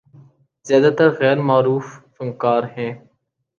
زیادہ تر غیر معروف فنکار ہیں۔